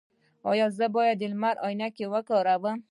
ایا زه باید د لمر عینکې وکاروم؟